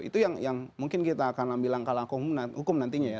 itu yang mungkin kita akan bilang kalah hukum nantinya ya